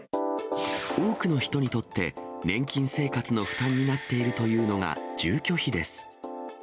多くの人にとって、年金生活の負担になっているというのが住居費です。